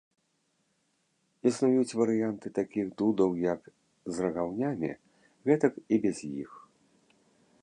Існуюць варыянты такіх дудаў як з рагаўнямі, гэтак і без іх.